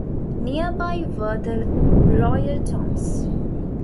Near by were the royal tombs.